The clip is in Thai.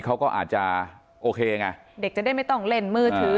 เขาก็อาจจะโอเคไงเด็กจะได้ไม่ต้องเล่นมือถือ